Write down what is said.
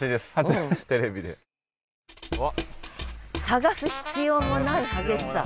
探す必要もない激しさ。